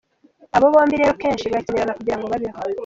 Abo bombi rero kenshi barakenerana kugira ngo babeho.